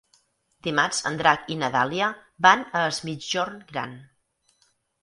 Dimarts en Drac i na Dàlia van a Es Migjorn Gran.